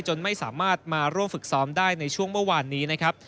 จนไม่สามารถมาร่วมฝึกซ้อมได้ในช่วงเมื่อวานนี้นะครับ